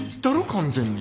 完全に。